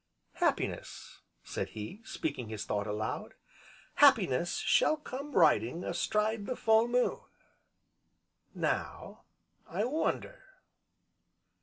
"Happiness," said he, speaking his thought aloud, "'Happiness shall come riding astride the full moon!' Now I wonder!"